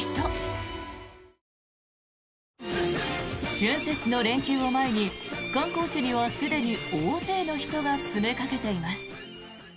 春節の連休を前に観光地にはすでに大勢の人が詰めかけています。